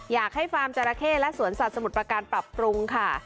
ฟาร์มจราเข้และสวนสัตว์สมุทรประการปรับปรุงค่ะ